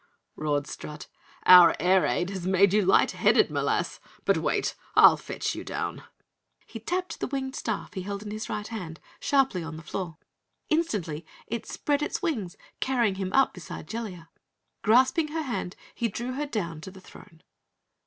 roared Strut. "Our air ade has made you light headed, m'lass! But wait I'll fetch you down!" He tapped the winged staff he held in his right hand sharply on the floor. Instantly it spread its wings, carrying him up beside Jellia. Grasping her hand he drew her down to the throne.